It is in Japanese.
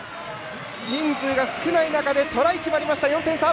人数が少ない中でトライ決まって４点差。